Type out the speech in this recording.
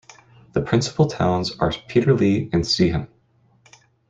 The principal towns are Peterlee and Seaham.